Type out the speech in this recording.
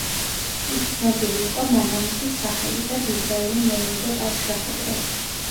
იქ ცნობილი იყო მამამისის სახელი და დიზრაელი მოელოდა კარგ შეხვედრას.